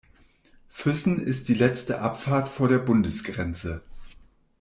Füssen ist die letzte Abfahrt vor der Bundesgrenze.